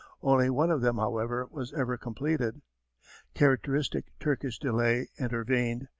Only one of them, however, was ever completed. Characteristic Turkish delay intervened.